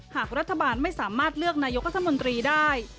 หากรัฐบาลไม่สามารถเลือกนายกรัฐมนตรีได้